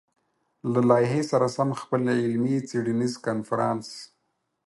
له لايحې سره سم خپل علمي-څېړنيز کنفرانس